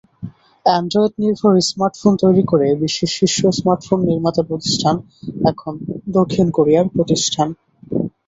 অ্যান্ড্রয়েডনির্ভর smartphone তৈরি করে বিশ্বের শীর্ষ স্মার্টফোন নির্মাতাপ্রতিষ্ঠান এখন দক্ষিণ কোরিয়ার প্রতিষ্ঠান।